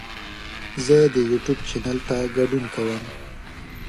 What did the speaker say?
زه د یوټیوب چینل ته ګډون کوم.